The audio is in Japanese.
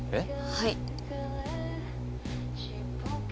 はい。